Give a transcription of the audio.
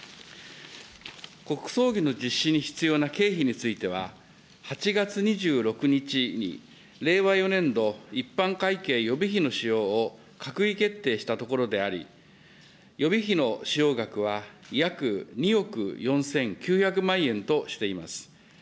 国葬儀の実施に必要な経費については、８月２６日に、令和４年度一般会計予備費の使用を閣議決定したところであり、予備費の使用額は約２億４９００万円としています。